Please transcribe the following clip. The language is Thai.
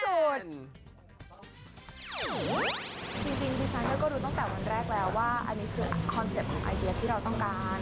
จริงดิฉันก็รู้ตั้งแต่วันแรกแล้วว่าอันนี้คือคอนเซ็ปต์ของไอเดียที่เราต้องการ